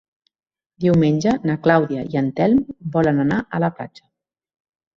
Diumenge na Clàudia i en Telm volen anar a la platja.